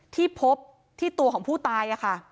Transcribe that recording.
ที่พบที่ตัวของผู้ตายค่ะ